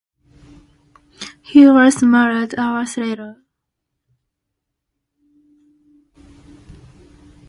He was murdered hours later.